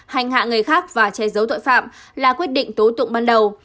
hành hạ người khác và che giấu tội phạm là quyết định tố tụng ban đầu